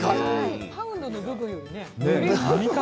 パウンドの部分よりね、栗が。